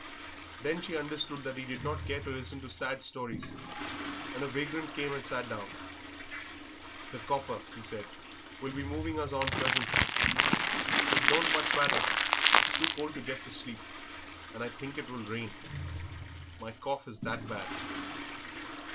Then she understood that he did not care to listen to sad stories, and a vagrant came and sat down. "The 'copper,'" he said, "will be moving us on presently. It don't much matter; it's too cold to get to sleep, and I think it will rain. My cough is that bad."